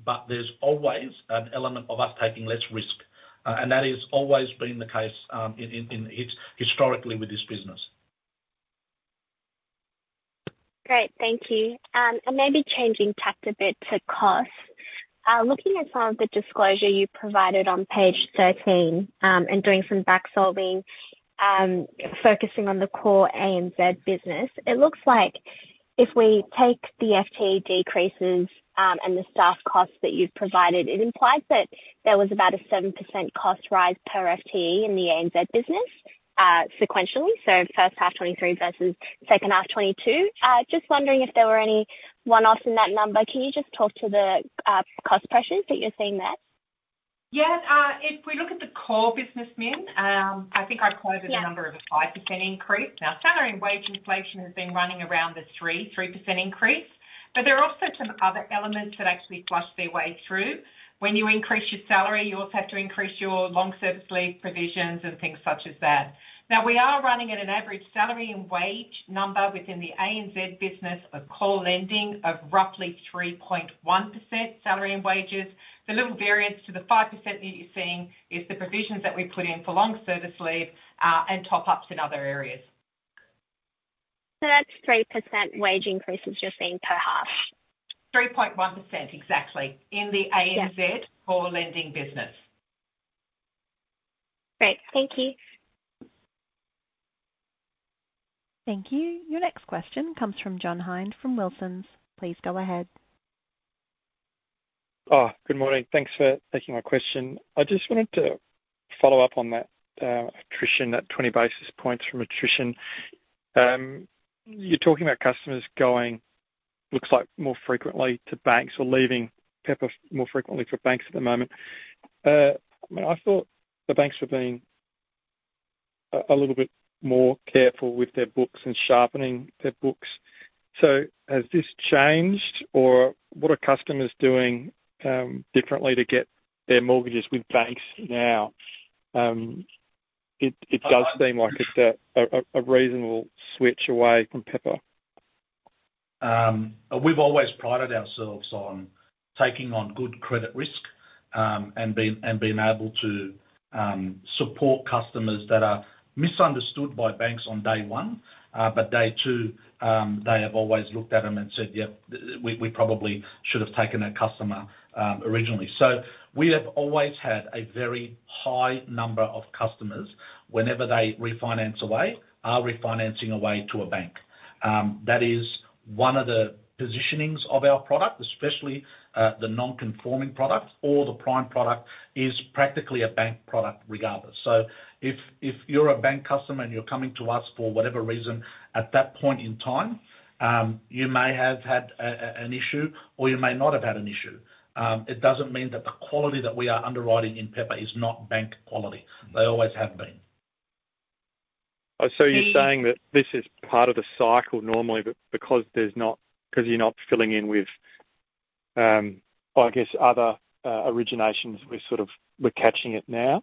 but there's always an element of us taking less risk. That has always been the case, in, in, in historically with this business. Great, thank you. Maybe changing tact a bit to cost. Looking at some of the disclosure you provided on page 13, and doing some back-solving, focusing on the core ANZ business, it looks like if we take the FTE decreases, and the staff costs that you've provided, it implies that there was about a 7% cost rise per FTE in the ANZ business, sequentially, so first half 2023 versus second half 2022. Just wondering if there were any one-offs in that number. Can you just talk to the cost pressures that you're seeing there? Yeah, if we look at the core business, Minh, I think I quoted- Yeah. the number of a 5% increase. Now, salary and wage inflation has been running around the 3%, 3% increase, but there are also some other elements that actually flush their way through. When you increase your salary, you also have to increase your long service leave provisions and things such as that. Now, we are running at an average salary and wage number within the ANZ business of core lending of roughly 3.1% salary and wages. The little variance to the 5% that you're seeing is the provisions that we put in for long service leave, and top-ups in other areas. That's 3% wage increases you're seeing per half? 3.1%, exactly, in the ANZ- Yeah. core lending business. Great. Thank you. Thank you. Your next question comes from John Hein, from Wilsons. Please go ahead. Good morning. Thanks for taking my question. I just wanted to follow up on that attrition, that 20 basis points from attrition. You're talking about customers going, looks like more frequently to banks, or leaving Pepper more frequently for banks at the moment. I thought the banks were being a little bit more careful with their books and sharpening their books. Has this changed, or what are customers doing differently to get their mortgages with banks now? It does seem like it's a reasonable switch away from Pepper. We've always prided ourselves on taking on good credit risk, and being, and being able to support customers that are misunderstood by banks on day one, but day two, they have always looked at them and said, "Yep, we, we probably should have taken that customer originally." We have always had a very high number of customers whenever they refinance away, are refinancing away to a bank. That is one of the positionings of our product, especially, the non-conforming product or the prime product, is practically a bank product regardless. If, if you're a bank customer and you're coming to us for whatever reason, at that point in time, you may have had a, a, an issue or you may not have had an issue. It doesn't mean that the quality that we are underwriting in Pepper is not bank quality. They always have been. You're saying that this is part of the cycle normally, but because you're not filling in with, I guess, other, originations, we're sort of, we're catching it now?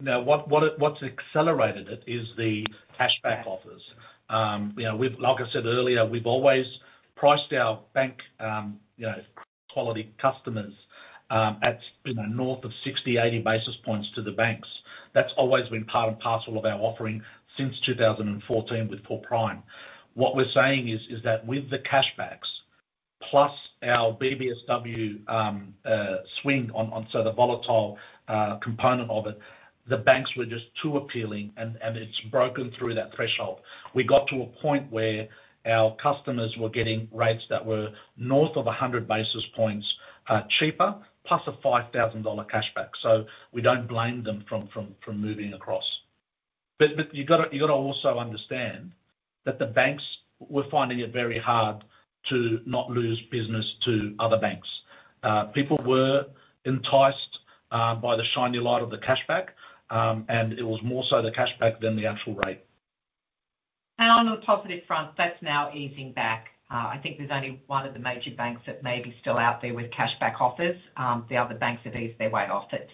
No, what, what, what's accelerated it is the cashback offers. You know, we've like I said earlier, we've always priced our bank, you know, quality customers, at, you know, north of 60, 80 basis points to the banks. That's always been part and parcel of our offering since 2014 with poor prime. What we're saying is, is that with the cashbacks, plus our BBSW, swing on, so the volatile component of it, the banks were just too appealing and it's broken through that threshold. We got to a point where our customers were getting rates that were north of 100 basis points cheaper, plus an 5,000 dollar cashback. We don't blame them from moving across. you gotta, you gotta also understand that the banks were finding it very hard to not lose business to other banks. People were enticed by the shiny light of the cashback, it was more so the cashback than the actual rate. On the positive front, that's now easing back. I think there's only one of the major banks that may be still out there with cashback offers. The other banks have eased their way off it.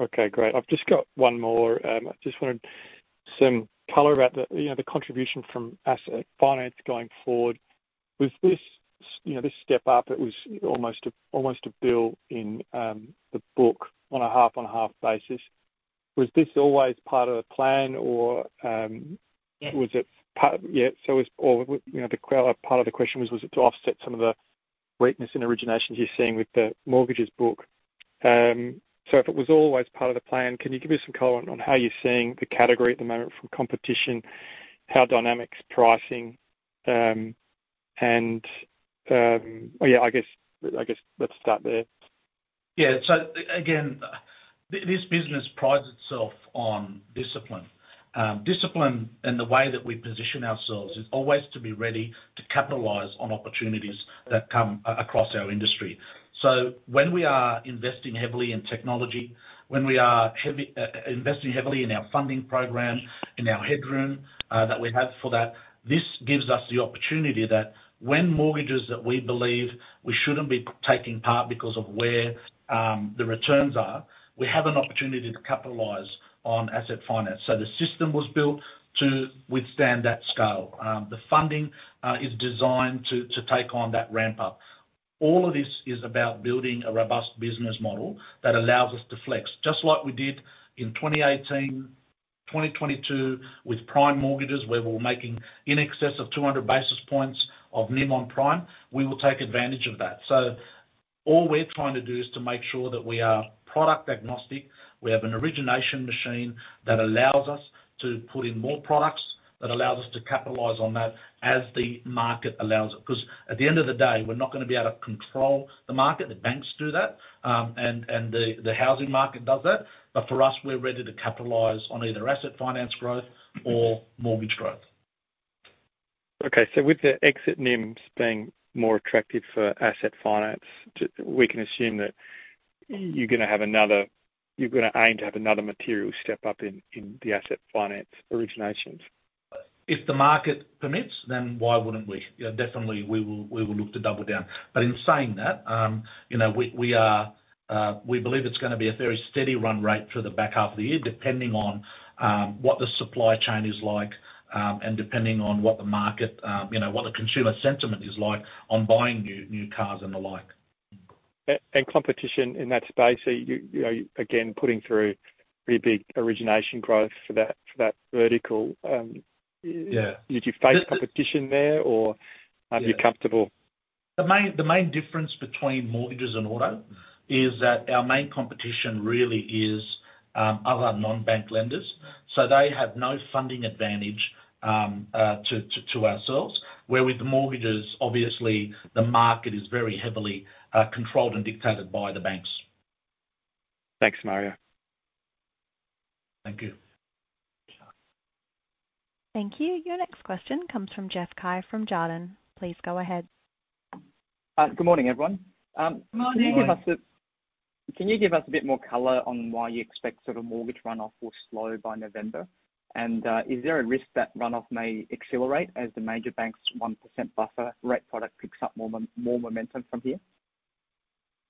Okay, great. I've just got one more. I just wanted some color about the, you know, the contribution from asset finance going forward. With this, you know, this step up, it was almost a, almost a build in the book on a half-on-half basis. Was this always part of the plan or? Yeah. was it part... Yeah, so was-- or, you know, the qua- part of the question was, was it to offset some of the weakness in originations you're seeing with the mortgages book? If it was always part of the plan, can you give me some color on, on how you're seeing the category at the moment from competition, how dynamics, pricing, and... Yeah, I guess, I guess let's start there. Yeah. Again, this business prides itself on discipline. Discipline and the way that we position ourselves is always to be ready to capitalize on opportunities that come across our industry. When we are investing heavily in technology, when we are heavy, investing heavily in our funding program, in our headroom that we have for that, this gives us the opportunity that when mortgages that we believe we shouldn't be taking part because of where the returns are, we have an opportunity to capitalize on asset finance. The system was built to withstand that scale. The funding is designed to take on that ramp up. All of this is about building a robust business model that allows us to flex, just like we did in 2018, 2022, with prime mortgages, where we're making in excess of 200 basis points of NIM on prime. We will take advantage of that. All we're trying to do is to make sure that we are product agnostic. We have an origination machine that allows us to put in more products, that allows us to capitalize on that as the market allows it. 'Cause at the end of the day, we're not gonna be able to control the market. The banks do that. The housing market does that. For us, we're ready to capitalize on either asset finance growth or mortgage growth. Okay, with the exit NIM being more attractive for asset finance, we can assume that you're gonna aim to have another material step up in the asset finance originations? If the market permits, then why wouldn't we? Yeah, definitely, we will, we will look to double down. In saying that, you know, We believe it's gonna be a very steady run rate for the back half of the year, depending on what the supply chain is like, and depending on what the market, you know, what the consumer sentiment is like on buying new, new cars and the like. Competition in that space, are you, you know, again, putting through pretty big origination growth for that, for that vertical? Yeah. Did you face competition there or-? Yeah. Are you comfortable? The main, the main difference between mortgages and auto is that our main competition really is other non-bank lenders, so they have no funding advantage to, to, to ourselves. Where with the mortgages, obviously, the market is very heavily controlled and dictated by the banks. Thanks, Mario. Thank you. Thank you. Your next question comes from Jeff Cai from Jarden. Please go ahead. Good morning, everyone. Good morning. Can you give us Can you give us a bit more color on why you expect sort of mortgage runoff will slow by November? Is there a risk that runoff may accelerate as the major bank's 1% buffer rate product picks up more momentum from here?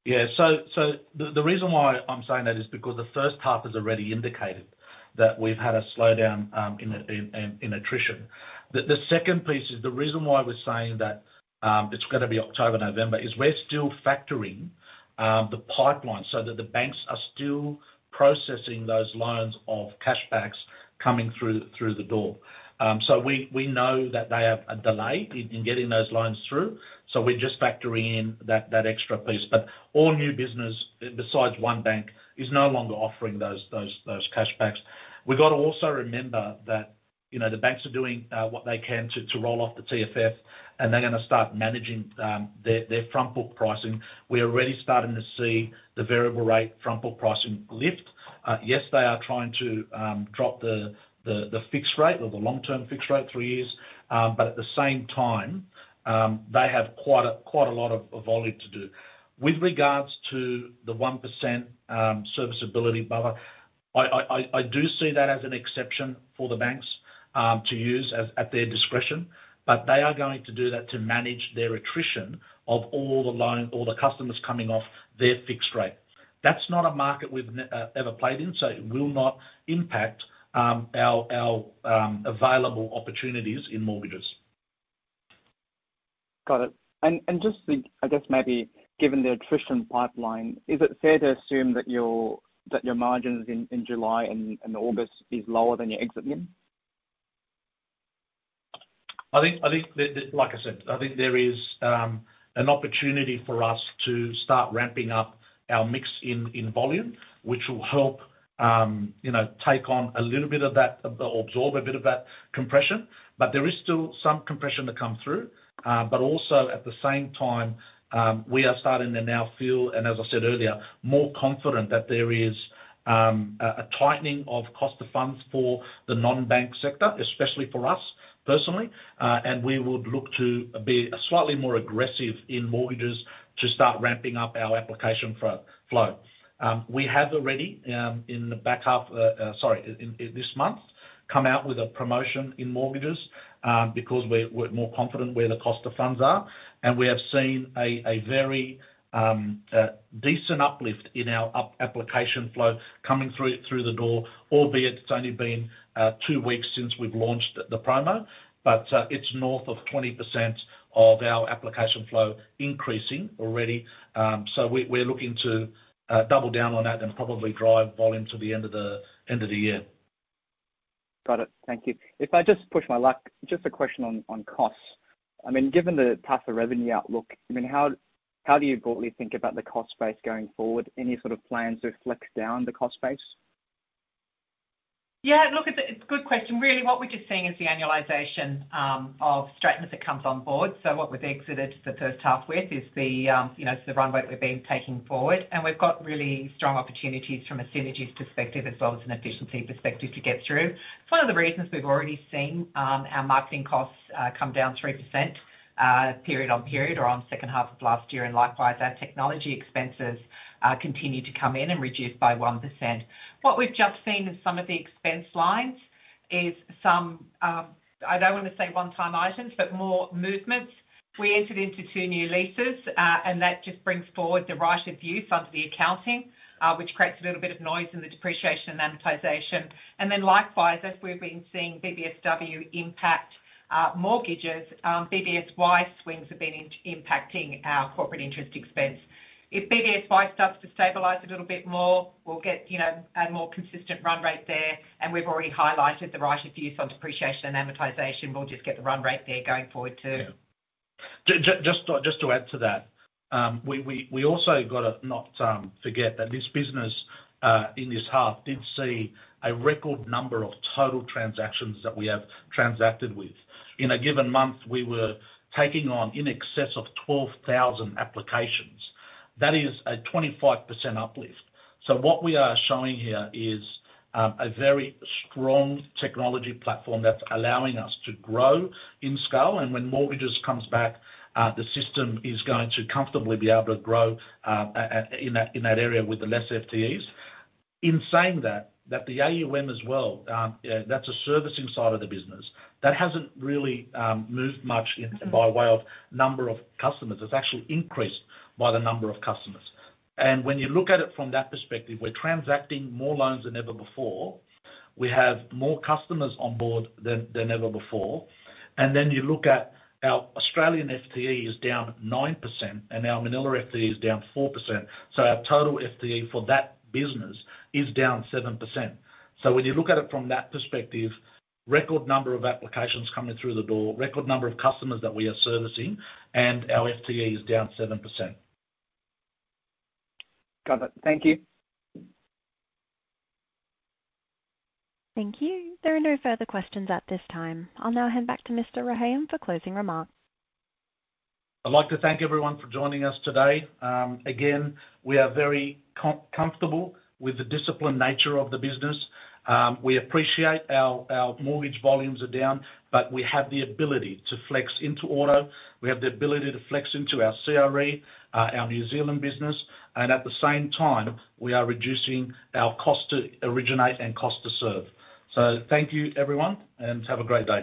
The reason why I'm saying that is because the first half has already indicated that we've had a slowdown in attrition. The second piece is the reason why we're saying that it's gonna be October, November, is we're still factoring the pipeline so that the banks are still processing those loans of cashbacks coming through, through the door. We know that they have a delay in getting those loans through, so we're just factoring in that extra piece. All new business, besides one bank, is no longer offering those cashbacks. We've got to also remember that, you know, the banks are doing what they can to roll off the TFF, and they're gonna start managing their front book pricing. We are already starting to see the variable rate front book pricing lift. Yes, they are trying to drop the fixed rate or the long-term fixed rate three years, but at the same time, they have quite a lot of volume to do. With regards to the 1% serviceability buffer, I do see that as an exception for the banks to use at their discretion, but they are going to do that to manage their attrition of all the customers coming off their fixed rate. That's not a market we've ever played in, so it will not impact our available opportunities in mortgages. Got it. Just, I guess maybe given the attrition pipeline, is it fair to assume that your margins in, in July and, and August is lower than your exit NIM? I think, I think the, like I said, I think there is an opportunity for us to start ramping up our mix in, in volume, which will help, you know, take on a little bit of that, absorb a bit of that compression. There is still some compression to come through. Also at the same time, we are starting to now feel, and as I said earlier, more confident that there is a tightening of cost of funds for the non-bank sector, especially for us personally. We would look to be slightly more aggressive in mortgages to start ramping up our application flow, flow. We have already, in the back half, sorry, in, this month, come out with a promotion in mortgages, because we're, we're more confident where the cost of funds are. We have seen a, a very decent uplift in our application flow coming through, through the door. Albeit, it's only been two weeks since we've launched the promo, but it's north of 20% of our application flow increasing already. We're looking to double down on that and probably drive volume to the end of the, end of the year. Got it. Thank you. If I just push my luck, just a question on, on costs. I mean, given the tougher revenue outlook, I mean, how, how do you broadly think about the cost base going forward? Any sort of plans to flex down the cost base? Yeah, look, it's a, it's a good question. Really, what we're just seeing is the annualization of Stratton as it comes on board. What we've exited the first half with is the, you know, the run rate we've been taking forward, and we've got really strong opportunities from a synergies perspective as well as an efficiency perspective to get through. It's one of the reasons we've already seen our marketing costs come down 3% period on period or on second half of last year. Likewise, our technology expenses continue to come in and reduce by 1%. What we've just seen in some of the expense lines is some, I don't want to say one-time items, but more movements. We entered into 2 new leases, and that just brings forward the right of use under the accounting, which creates a little bit of noise in the depreciation and amortization. Likewise, as we've been seeing BBSW impact mortgages, BBSY swings have been impacting our corporate interest expense. If BBSY starts to stabilize a little bit more, we'll get, you know, a more consistent run rate there, and we've already highlighted the right of use on depreciation and amortization. We'll just get the run rate there going forward, too. Just to, just to add to that, we, we, we also got to not forget that this business in this half did see a record number of total transactions that we have transacted with. In a given month, we were taking on in excess of 12,000 applications. That is a 25% uplift. What we are showing here is a very strong technology platform that's allowing us to grow in scale, and when mortgages comes back, the system is going to comfortably be able to grow in that, in that area with the less FTEs. In saying that, that the AUM as well, that's a servicing side of the business, that hasn't really moved much in by way of number of customers. It's actually increased by the number of customers. When you look at it from that perspective, we're transacting more loans than ever before. We have more customers on board than ever before. Then you look at our Australian FTE is down 9%, and our Manila FTE is down 4%, so our total FTE for that business is down 7%. When you look at it from that perspective, record number of applications coming through the door, record number of customers that we are servicing, and our FTE is down 7%. Got it. Thank you. Thank you. There are no further questions at this time. I'll now hand back to Mr. Rehayem for closing remarks. I'd like to thank everyone for joining us today. Again, we are very comfortable with the disciplined nature of the business. We appreciate our, our mortgage volumes are down, but we have the ability to flex into auto. We have the ability to flex into our CRE, our New Zealand business, and at the same time, we are reducing our cost to originate and cost to serve. Thank you, everyone, and have a great day.